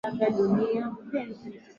Hata hivyo Castro aliegemea sana Afrika